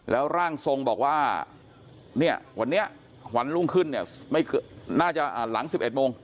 แล้วร่างทรงบอกว่าวันนี้หวันรุ่งขึ้นน่าจะหลังสิบเอ็ดโมง